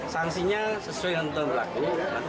sanksinya sesuai dengan tentuan berlaku